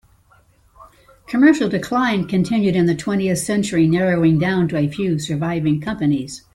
Commercial decline continued in the twentieth century, narrowing down to a few surviving companies.